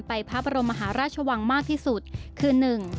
ไปพระบรมมหาราชวังมากที่สุดคือ